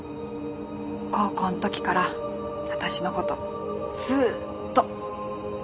高校の時から私のことずっと。